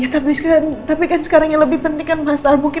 dar misalnya nggak mau tidur tuh